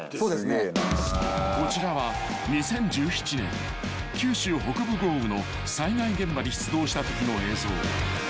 ［こちらは２０１７年九州北部豪雨の災害現場に出動したときの映像］